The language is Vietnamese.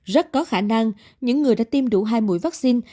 rất có khả năng những người đã tiêm đủ hai mũi vaccine